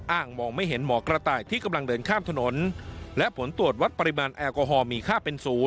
มองไม่เห็นหมอกระต่ายที่กำลังเดินข้ามถนนและผลตรวจวัดปริมาณแอลกอฮอลมีค่าเป็นสูง